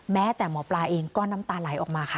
แม้แต่หมอปลาเองก็น้ำตาไหลออกมาค่ะ